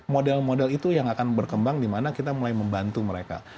model model itu yang akan berkembang dimana kita mulai membantu mereka